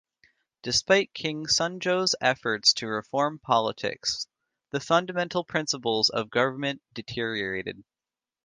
Despite King Sunjo's efforts to reform politics, the fundamental principles of government deteriorated.